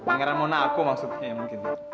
pangeran monaco maksudnya ya mungkin